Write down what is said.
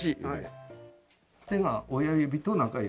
手が親指と中指です。